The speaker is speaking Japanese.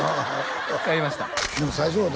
買いました